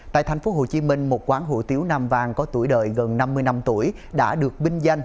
tại tp hcm một quán hủ tiếu nam vàng có tuổi đời gần năm mươi năm tuổi đã được binh danh